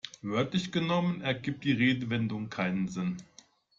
Wörtlich genommen ergibt die Redewendung keinen Sinn.